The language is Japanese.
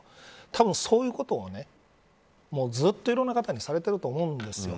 たぶん、そういうことをずっといろんな方にされていると思うんですよ。